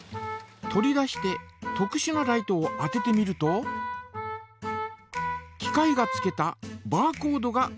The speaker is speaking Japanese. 取り出して特しゅなライトを当ててみると機械がつけたバーコードがかくにんできます。